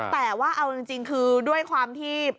แต่ว่าเอาจริงคือด้วยความที่